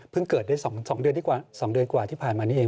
เพิ่งเกิดได้๒เดือนกว่าที่ผ่านมานี้เอง